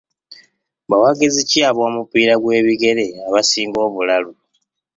Bawagizi ki ab'omupiira gw'ebigere abasinga obulalu?